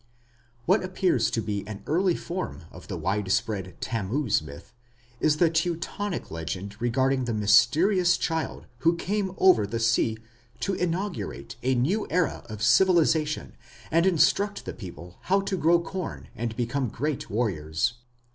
What appears to be an early form of the widespread Tammuz myth is the Teutonic legend regarding the mysterious child who came over the sea to inaugurate a new era of civilization and instruct the people how to grow corn and become great warriors.